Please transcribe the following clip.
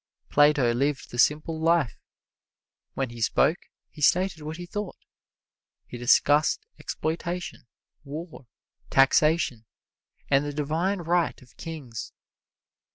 Plato lived the simple life. When he spoke he stated what he thought. He discussed exploitation, war, taxation, and the Divine Right of Kings.